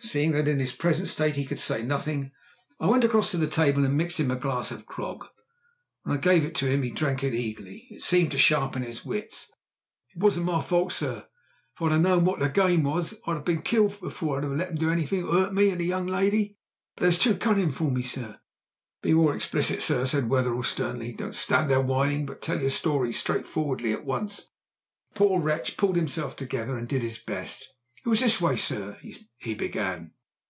Seeing that in his present state he could say nothing, I went across to the table and mixed him a glass of grog. When I gave it to him he drank it eagerly. It seemed to sharpen his wits, for he answered instantly "It wasn't my fault, sir. If I'd only ha' known what their game was I'd have been killed afore I'd have let them do anything to hurt the young lady. But they was too cunnin' for me, sir." "Be more explicit, sir!" said Wetherell sternly. "Don't stand there whining, but tell your story straight forwardly and at once." The poor wretch pulled himself together and did his best. "It was in this way, sir," he began.